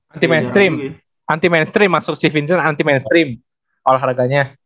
anti mainstream anti mainstream masuk si vincern anti mainstream olahraganya